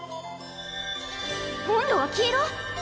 今度は黄色！